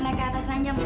dimensions keatur suku